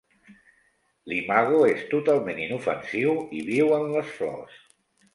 L'imago és totalment inofensiu i viu en les flors.